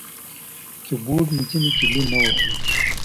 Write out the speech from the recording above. کیبورډ مې ځینې کیلي نه وهي.